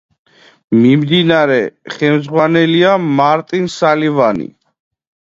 მიმდინარე ხელმძღვანელია მარტინ სალივანი.